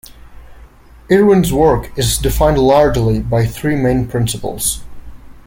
Irwin's work is defined largely by three main principles.